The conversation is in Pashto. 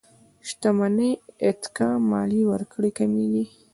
شتمنۍ اتکا ماليې ورکړې کمېږي.